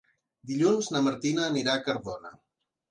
Dilluns na Martina anirà a Cardona.